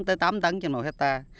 tới tám tấn cho một hecta